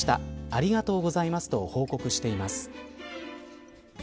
ありがとうございますと報告しています。